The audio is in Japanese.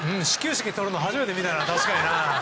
始球式でとるの初めて見たな、確かに。